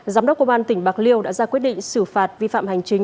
giám đốc công an tỉnh bạc liêu đã ra quyết định xử phạt vi phạm hành chính